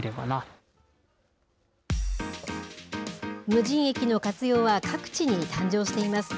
無人駅の活用は、各地に誕生しています。